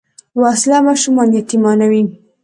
وسله ماشومان یتیمانوي